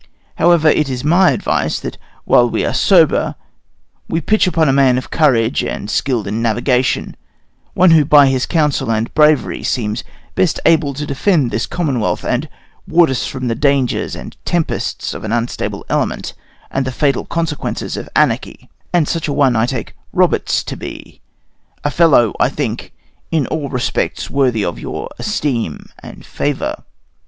However, it is my advice that while we are sober we pitch upon a man of courage and skilled in navigation, one who by his council and bravery seems best able to defend this commonwealth, and ward us from the dangers and tempests of an unstable element, and the fatal consequences of anarchy; and such a one I take Roberts to be a fellow, I think, in all respects worthy your esteem and favor."